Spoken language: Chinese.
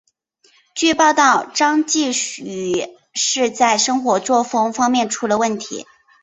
据报道张继禹是在生活作风方面出了问题。